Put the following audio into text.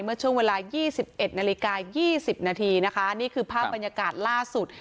เมื่อช่วงเวลายี่สิบเอ็ดนาฬิกายี่สิบนาทีนะคะนี่คือภาพบรรยากาศล่าสุด